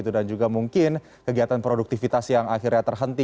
dan juga mungkin kegiatan produktivitas yang akhirnya terhenti